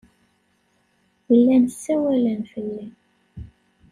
Llan ssawalen fell-i.